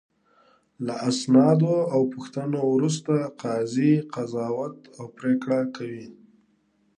له اسنادو او پوښتنو وروسته قاضي قضاوت او پرېکړه کوي.